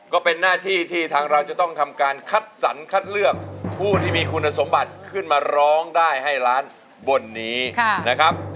ก็เป็นหน้าที่ที่ทางเราจะต้องทำการคัดสรรคัดเลือกผู้ที่มีคุณสมบัติขึ้นมาร้องได้ให้ล้านบนนี้นะครับ